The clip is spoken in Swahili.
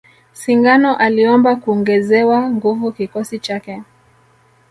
Singano aliomba kungezewa nguvu kikosi chake